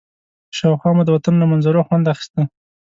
شاوخوا مو د وطن له منظرو خوند اخيسته.